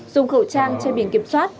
dùng khẩu trang trên biển kiểm soát